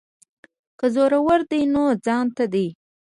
که زورور دی نو ځانته دی.